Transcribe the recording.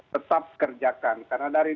tetap kerjakan karena dari